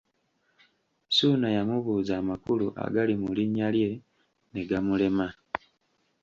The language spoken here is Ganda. Ssuuna yamubuuza amakulu agali mu linnya lye ne gamulema.